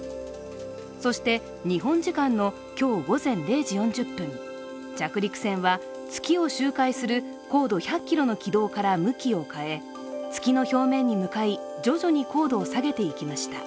そして日本時間の今日午前０時４０分、着陸船は月を周回する高度１００ｋｍの軌道から向きを変え月の表面に向かい、徐々に高度を下げていきました。